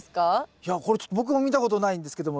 いやこれちょっと僕も見たことないんですけども。